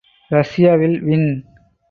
Russia will win!